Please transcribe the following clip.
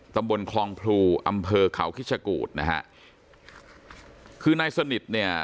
ตำบลคลองพลูอำเภอเขาคิชกูธนะฮะคือนายสนิทเนี่ย